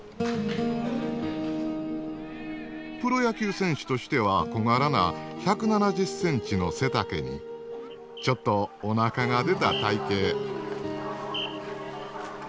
プロ野球選手としては小柄な１７０センチの背丈にちょっとおなかが出た体型。